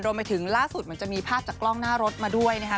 ไปถึงล่าสุดมันจะมีภาพจากกล้องหน้ารถมาด้วยนะคะ